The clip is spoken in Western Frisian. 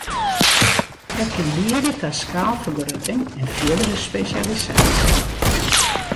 Dat kin liede ta skaalfergrutting en fierdere spesjalisaasje.